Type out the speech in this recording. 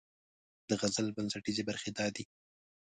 د غزل بنسټیزې برخې دا دي: